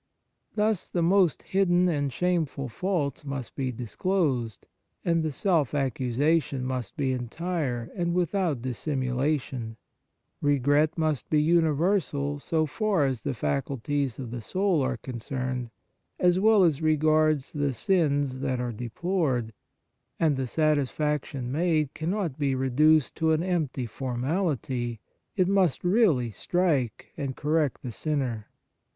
Thus, the most hidden and shameful faults must be disclosed, and the self accusation must be entire and without dissimulation ; regret must be universal so far as the 93 On the Exercises of Piety faculties of the soul are concerned, as well as regards the sins that are deplored, and the satisfaction made cannot be reduced to an empty formality, it must really strike and correct the sinner.